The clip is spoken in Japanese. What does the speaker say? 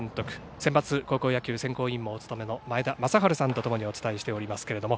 センバツ高校野球選考委員もお務めの前田正治さんとお伝えしています。